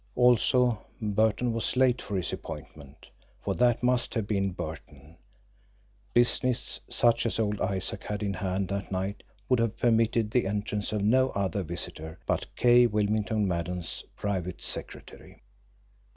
Also, Burton was late for his appointment, for that must have been Burton business such as old Isaac had in hand that night would have permitted the entrance of no other visitor but K. Wilmington Maddon's private secretary.